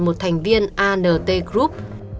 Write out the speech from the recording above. một thành viên ant group